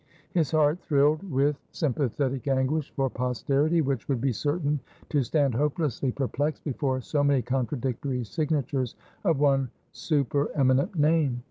His heart thrilled with sympathetic anguish for posterity, which would be certain to stand hopelessly perplexed before so many contradictory signatures of one supereminent name.